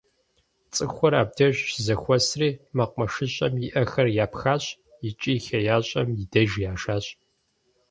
ЦӀыхухэр абдеж щызэхуэсри, мэкъумэшыщӀэм и Ӏэхэр япхащ икӀи хеящӀэм и деж яшащ.